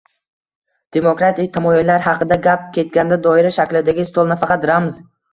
Demokratik tamoyillar haqida gap ketganda doira shaklidagi stol nafaqat ramz